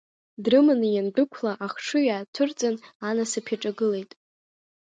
Дрыманы иандәықәла, Ахшыҩ аацәырҵын, Анасыԥ иааҿагылеит.